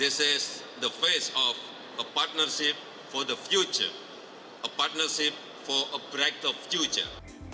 ini adalah bagian dari perjalanan ke depan perjalanan ke depan